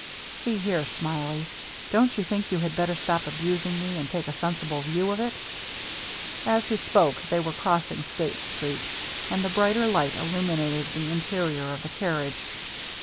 " See here. Smiley, don't you think you had better stop abusing me, and take a sensible view of it ?" As he spoke, they were crossing State Street, 4o6 THE MERRT ANNE and the brighter light illuminated the interior of the carriage.